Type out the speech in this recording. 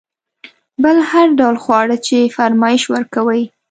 بل هر ډول خواړه چې فرمایش ورکوئ.